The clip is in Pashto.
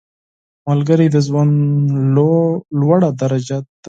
ملګری د ژوند لوړه درجه ده